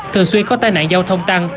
thường xuyên có tai nạn giao thông tăng